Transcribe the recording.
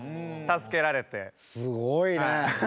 すごいね。